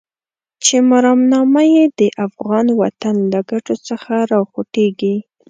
چې مرامنامه يې د افغان وطن له ګټو څخه راوخوټېږي.